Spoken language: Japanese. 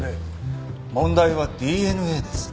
問題はＤＮＡです。